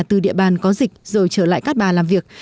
từ địa bàn có dịch rồi trở lại cát bà làm việc